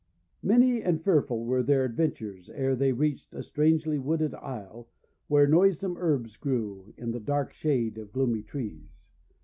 Many and fearful were their adventures ere 390 THE WONDER GARDEN they reached a strangely wooded isle, where noisome herbs grew in the dark shade of gloomy trees.